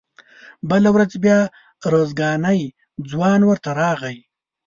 بله ورځ بیا ارزګانی ځوان ورته راغی.